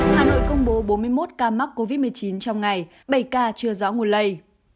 hà nội công bố bốn mươi một ca mắc covid một mươi chín trong ngày bảy ca chưa rõ nguồn lây